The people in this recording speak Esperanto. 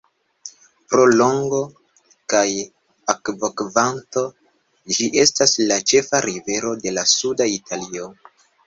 Pro longo kaj akvokvanto, ĝi estas la ĉefa rivero de suda Italio.